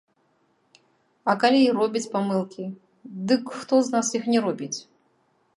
А калі і робяць памылкі, дык хто з нас іх не робіць?